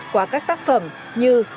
qua các tác phẩm như